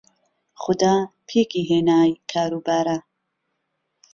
خودا پێکی هێنای کار و بارە